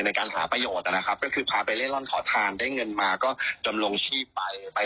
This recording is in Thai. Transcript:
ในการหาประโยชน์นะครับก็คือพาไปเล่นร่อนขอทานได้เงินมาก็ดำรงชีพไปไป